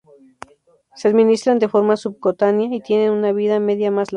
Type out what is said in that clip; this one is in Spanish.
Se administran de forma subcutánea y tienen una vida media más larga.